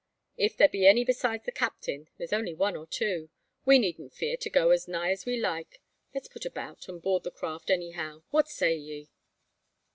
If there be any besides the captain, there's only one or two. We needn't fear to go as nigh as we like. Let's put about, an' board the craft, anyhow. What say ye?"